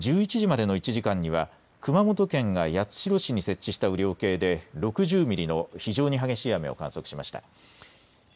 午前１１時までの１時間には熊本県が八代市に設置した雨量計で６０ミリの非常に激しい雨を観測しました。